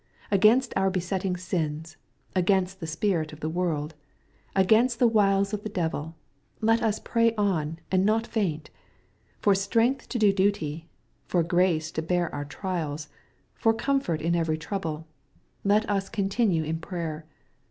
Against our besetting sins, against the spirit of the world, against the wiles of the devil, let us pray on, and not faint. — ^For strength to do duty, for grace to bear our trials, for comfort in every trouble, let us continue in prayer.